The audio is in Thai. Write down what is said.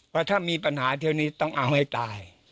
ว่าถ้ามีปัญหาเที่ยวนี้ต้องเอาให้ตาย